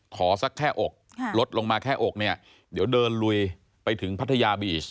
สักแค่อกลดลงมาแค่อกเนี่ยเดี๋ยวเดินลุยไปถึงพัทยาบีช